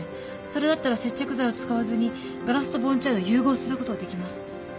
それだったら接着剤を使わずにガラスとボーンチャイナを融合することができます。